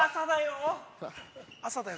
◆朝だよ。